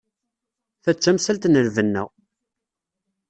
Ta d tamsalt n lbenna.